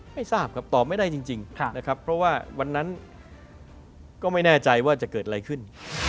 ไม่ทราบครับตอบไม่ได้จริงนะครับเพราะว่าวันนั้นก็ไม่แน่ใจว่าจะเกิดอะไรขึ้น